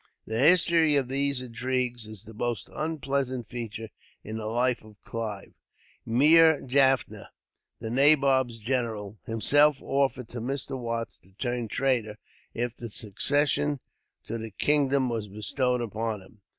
The history of these intrigues is the most unpleasant feature in the life of Clive. Meer Jaffier, the nabob's general, himself offered to Mr. Watts to turn traitor, if the succession to the kingdom was bestowed upon him.